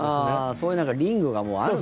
そういうリングがもうあるんだね。